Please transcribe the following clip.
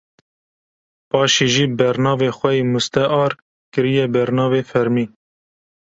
paşê jî bernavê xwe yê mustear kiriye bernavê fermî